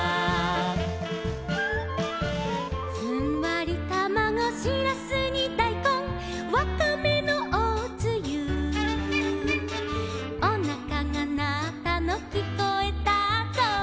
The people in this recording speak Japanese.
「ふんわりたまご」「しらすにだいこん」「わかめのおつゆ」「おなかがなったのきこえたぞ」